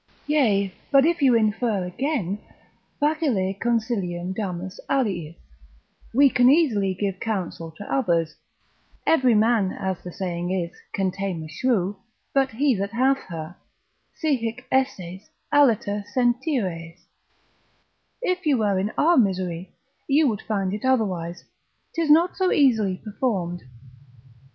Yea, but you infer again, facile consilium damus aliis, we can easily give counsel to others; every man, as the saying is, can tame a shrew but he that hath her; si hic esses, aliter sentires; if you were in our misery, you would find it otherwise, 'tis not so easily performed.